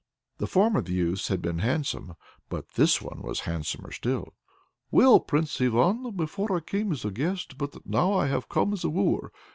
The former youths had been handsome, but this one was handsomer still. "Well, Prince Ivan! Before I came as a guest, but now I have come as a wooer.